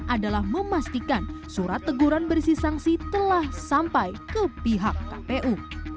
adalah memastikan surat teguran berisi sanksi telah sampai ke pihak kpu